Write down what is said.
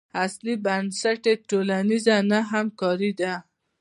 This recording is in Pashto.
اصلي بنسټ یې ټولنیزه نه همکاري ده.